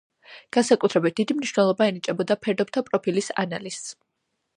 განსაკუთრებით დიდი მნიშვნელობა ენიჭებოდა ფერდობთა პროფილის ანალიზს.